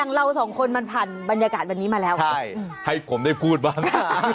เราสองคนมันผ่านบรรยากาศวันนี้มาแล้วให้ผมได้พูดบ้าง